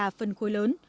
và phần khối lớn